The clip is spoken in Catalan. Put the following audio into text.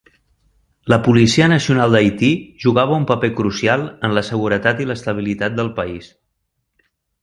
La Policia Nacional d'Haití jugava un paper crucial en la seguretat i l'estabilitat del país.